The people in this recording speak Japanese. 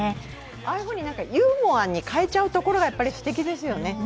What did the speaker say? ああいうふうにユーモアに変えちゃうところが、すてきですよね。